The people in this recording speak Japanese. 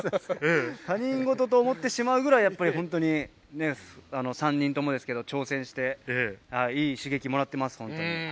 他人事と思ってしまうくらい３人とも挑戦して、いい刺激をもらっています。